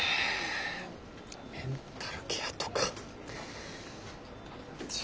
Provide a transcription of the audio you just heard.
メンタルケアとか。